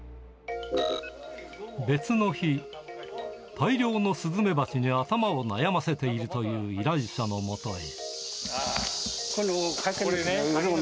別の日、大量のスズメバチに頭を悩ませているという依頼者のもとへ。